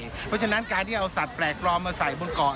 เพราะฉะนั้นการที่เอาสัตวแปลกปลอมมาใส่บนเกาะ